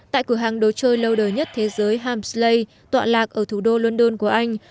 tại cửa hàng đồ chơi lâu đời nhất thế giới hamsley tọa lạc ở thủ đô london của anh